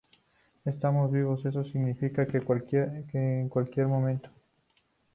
estamos vivos. eso significa que, en cualquier momento